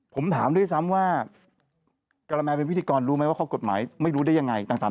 ผมถามด้วยซ้ำว่ากะละแมเป็นพิธีกรรู้ไหมว่าข้อกฎหมายไม่รู้ได้ยังไงต่าง